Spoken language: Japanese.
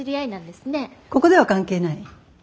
ここでは関係ない。